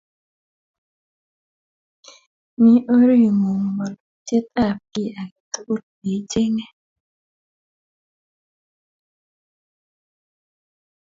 Mi oring'ung' walutyet ap kiy ake tukul ne icheng'e